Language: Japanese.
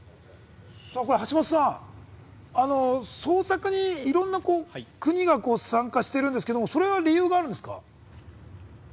橋本さん、捜索にいろんな国が参加してるんですけれども、理由があるんですか？